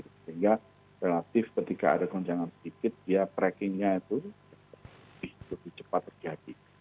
sehingga relatif ketika ada gonjangan sedikit dia trackingnya itu lebih cepat terjadi